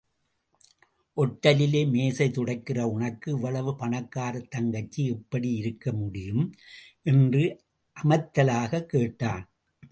ஓட்டலிலே மேஜை துடைக்கிற உனக்கு இவ்வளவு பணக்காரத் தங்கச்சி எப்படி இருக்க முடியும்?.. என்று அமத்தலாகக் கேட்டான்.